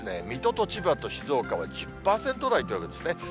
水戸と千葉と静岡は１０％台というわけですね。